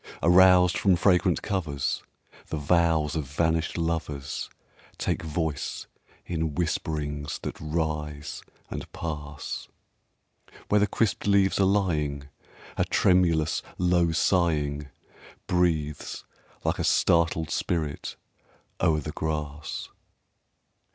Aroused from fragrant covers, The vows of vanished lovers Take voice in whisperings that rise and pass; Where the crisped leaves are lying A tremulous, low sighing Breathes like a startled spirit o'er the grass.